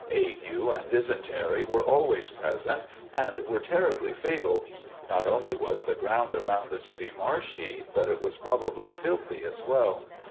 Ague and dysentery were always present, and were terribly fatal. Not only was the ground around the city marshy, but it was probably filthy as well.